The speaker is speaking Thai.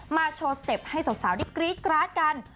มาโชว์สเต็ปให้สาวที่กรี๊กกร้าดกัน